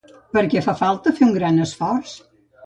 Per què fa falta fer un gran esforç?